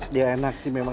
dia enak sih memang